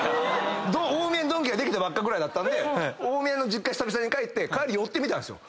大宮のドンキできたばっかで大宮の実家久々に帰って帰り寄ってみたんですよ。